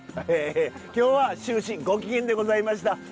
今日は終始ご機嫌でございました。